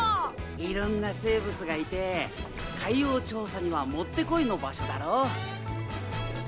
いろんな生物がいて海洋調査にはもってこいの場所だろ？